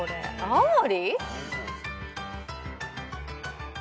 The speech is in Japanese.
青森！？